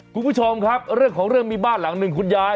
คุณผู้ชมครับเรื่องของเรื่องมีบ้านหลังหนึ่งคุณยาย